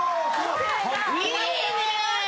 いいね！